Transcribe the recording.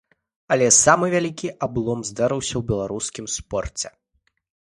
Але самы вялікі аблом здарыўся ў беларускім спорце.